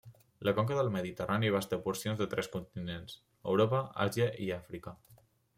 La conca del Mediterrani abasta porcions de tres continents, Europa, Àsia, i Àfrica.